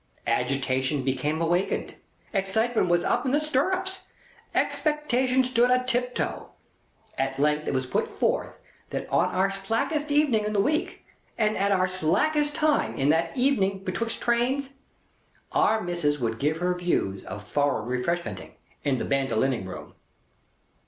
Agitation become awakened. Excitement was up in the stirrups. Expectation stood a tiptoe. At length it was put forth that on our slackest evening in the week, and at our slackest time of that evening betwixt trains, Our Missis would give her views of foreign Refreshmenting, in the Bandolining Room.